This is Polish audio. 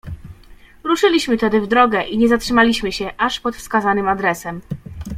"Ruszyliśmy tedy w drogę i nie zatrzymaliśmy się, aż pod wskazanym adresem."